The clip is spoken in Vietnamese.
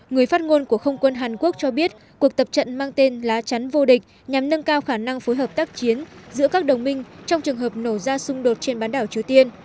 người phát ngôn của không quân hàn quốc cho biết cuộc tập trận mang tên lá chắn vô địch nhằm nâng cao khả năng phối hợp tác chiến giữa các đồng minh trong trường hợp nổ ra xung đột trên bán đảo triều tiên